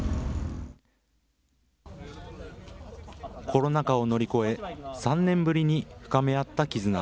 コロナ禍を乗り越え、３年ぶりに深め合った絆。